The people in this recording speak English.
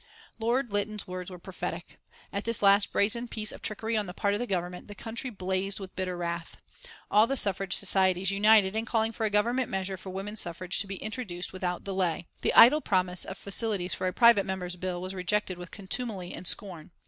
Lord Lytton's words were prophetic. At this last brazen piece of trickery on the part of the Government the country blazed with bitter wrath. All the suffrage societies united in calling for a Government measure for women's suffrage to be introduced without delay. The idle promise of facilities for a private member's bill was rejected with contumely and scorn.